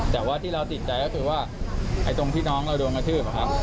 แต่ว่าที่เราติดใจก็คือว่าไอ้ตรงที่น้องเราโดนกระทืบอะครับ